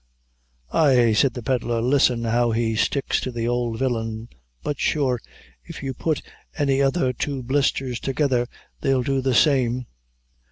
"Ay," said the pedlar, "listen how he sticks to the ould villain but sure, if you put any other two blisthers together, they'll do the same."